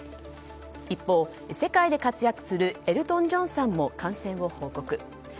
一方、世界で活躍するエルトン・ジョンさんも感染を報告。